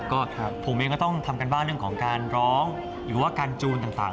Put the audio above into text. ก็ผมเองก็ต้องทำการบ้านเรื่องของการร้องหรือว่าการจูนต่าง